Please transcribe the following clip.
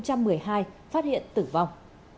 công an huyện cái bè tỉnh cái bè phát hiện tử vong